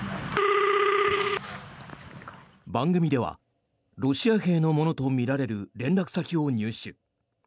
番組ではロシア兵のものとみられる連絡先を入手。